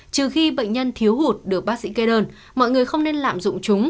trừ khi bệnh nhân thiếu hụt được bác sĩ kê đơn mọi người không nên lạm dụng chúng